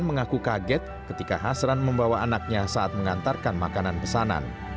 mengaku kaget ketika hasran membawa anaknya saat mengantarkan makanan pesanan